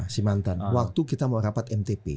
si mantan waktu kita mau rapat ntp